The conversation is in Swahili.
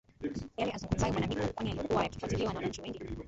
Yale azumngumzayo bwana Biko kwani yalikuwa yakifuatiliwa na wananchi wengi